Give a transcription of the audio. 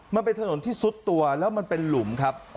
มันเป็นถนนที่ซุดตัวแล้วมันเป็นหลุมครับ